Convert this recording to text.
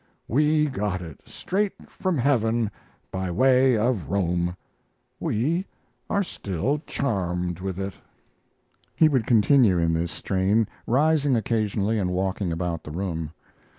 We got it straight from heaven by way of Rome. We are still charmed with it." He would continue in this strain, rising occasionally and walking about the room.